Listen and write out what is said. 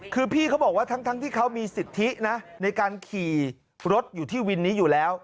คือพี่เขาบอกว่าทั้งที่เขามีสิทธินะในการขี่รถอยู่ที่วินนี้อยู่แล้ว